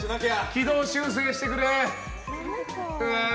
軌道修正してくれ。